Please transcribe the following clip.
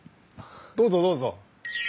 どうぞどうぞ。